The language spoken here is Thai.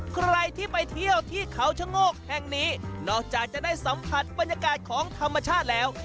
ใครที่ไปเที่ยวที่เขาชะโงกแห่งนี้นอกจากจะได้สัมผัสบรรยากาศของธรรมชาติแล้ว